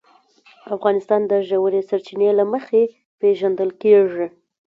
افغانستان د ژورې سرچینې له مخې پېژندل کېږي.